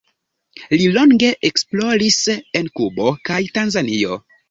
Li longe esploris en Kubo kaj Tanzanio.